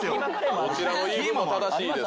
どちらの言い分も正しいです。